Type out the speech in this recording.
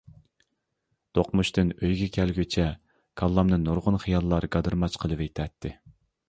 دوقمۇشتىن ئۆيگە كەلگۈچە كاللامنى نۇرغۇن خىياللار گادىرماچ قىلىۋېتەتتى.